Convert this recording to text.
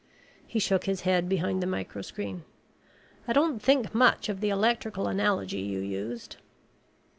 He shook his head behind the microscreen. "I don't think much of the electrical analogy you used."